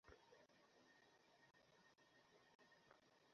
তিনি ধর্মীয় জ্ঞানে পারদর্শী ছিলেন।